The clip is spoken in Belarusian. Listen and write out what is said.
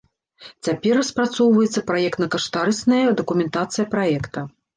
Цяпер распрацоўваецца праектна-каштарысная дакументацыя праекта.